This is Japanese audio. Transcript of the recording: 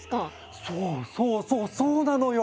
そうそうそうそうなのよ！